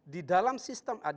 di dalam sistem